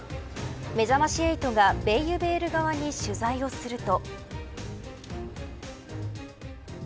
めざまし８がベイユヴェール側に取材をすると。